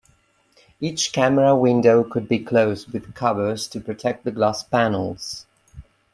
Each camera window could be closed with covers to protect the glass panels.